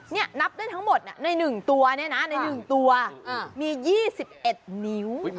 นี่นับได้ทั้งหมดใน๑ตัวเนี่ยนะใน๑ตัวมี๒๑นิ้ว